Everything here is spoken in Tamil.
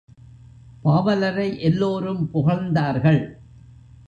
பாவலரை எல்லோரும் புகழ்ந்தார்கள்.